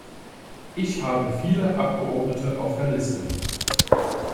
Ich habe viele Abgeordnete auf der Liste.